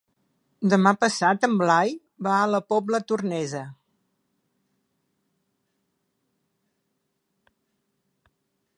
Demà passat en Blai va a la Pobla Tornesa.